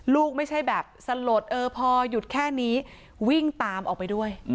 ลูกไม่ใช่แบบสลดเออพอหยุดแค่นี้วิ่งตามออกไปด้วย